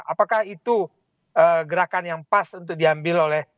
apakah itu gerakan yang pas untuk diambil oleh